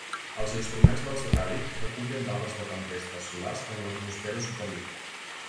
Els instruments del satèl·lit recullen dades de tempestes solars en l'atmosfera superior.